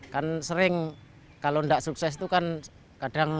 kan sering kalau tidak sukses itu kan kadang